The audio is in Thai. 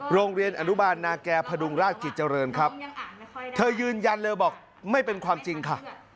โรงเรียนอนุบาลนาแก่พดุงราชกิจเจริญครับเธอยืนยันเลยบอกไม่เป็นความจริงค่ะ